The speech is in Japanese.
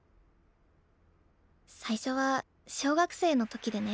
最初は小学生の時でね。